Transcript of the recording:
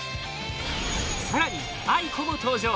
更にａｉｋｏも登場！